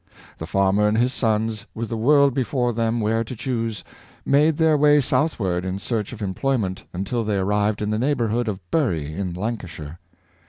The farmer and his sons, with the world before them where to choose, made their way southward in search of em ployment until they arrived in the neighborhood of Bury in Lancashire.